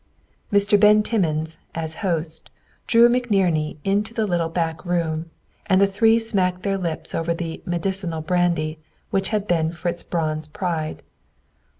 Mr. Ben Timmins, as host, drew McNerney into the little back room, and the three smacked their lips over the "medicinal brandy," which had been Fritz Braun's pride.